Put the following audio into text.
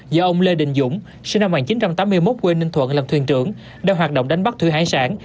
do ông lê đình dũng sinh năm một nghìn chín trăm tám mươi một quê ninh thuận làm thuyền trưởng đang hoạt động đánh bắt thủy hải sản